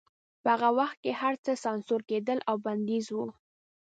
په هغه وخت کې هرڅه سانسور کېدل او بندیز و